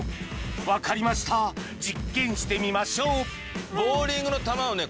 分かりました実験してみましょう！